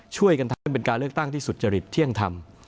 ช่วยกันทำให้เป็นการเลือกตั้งที่สุจริตเที่ยงธรรม